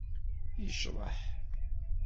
Yecḍeḥ.